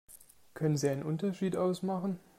Können Sie einen Unterschied ausmachen?